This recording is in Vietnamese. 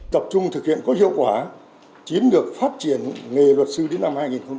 tập trung thực hiện có hiệu quả chiến được phát triển nghề luật sư đến năm hai nghìn hai mươi